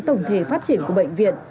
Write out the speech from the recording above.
tổng thể phát triển của bệnh viện